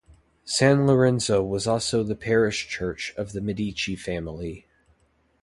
San Lorenzo was also the parish church of the Medici family.